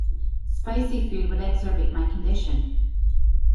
Spicy food would exacerbate my condition.